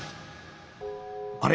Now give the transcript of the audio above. あれ？